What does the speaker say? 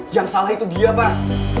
yang salah itu dia pak